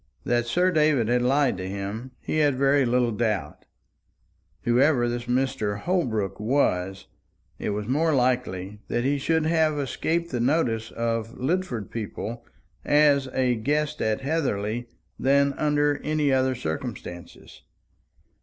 That Sir David had lied to him, he had very little doubt. Whoever this Mr. Holbrook was, it was more likely that he should have escaped the notice of Lidford people as a guest at Heatherly than under any other circumstances.